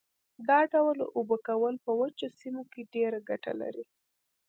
دا ډول اوبه کول په وچو سیمو کې ډېره ګټه لري.